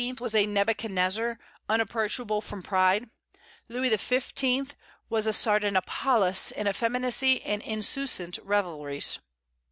was a Nebuchadnezzar, unapproachable from pride, Louis XV. was a Sardanapalus in effeminacy and insouciant revelries.